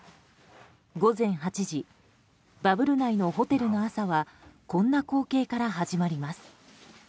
午前８時バブル内のホテルの朝はこんな光景から始まります。